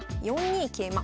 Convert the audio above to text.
４二桂馬。